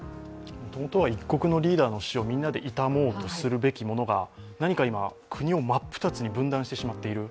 もともとは一国のリーダーの死をみんなで悼もうとするところが何か今、国を真っ二つに分断してしまっている。